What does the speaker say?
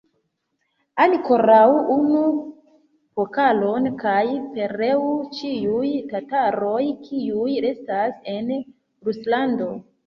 Ankoraŭ unu pokalon, kaj pereu ĉiuj tataroj, kiuj restas en Ruslando!